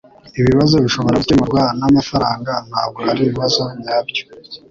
Ibibazo bishobora gukemurwa namafaranga ntabwo aribibazo nyabyo